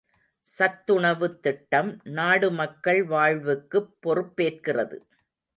சத்துணவுத் திட்டம் நாடு மக்கள் வாழ்வுக்குப் பொறுப்பேற்கிறது.